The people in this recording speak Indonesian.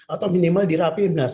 atau minimal di rapimnas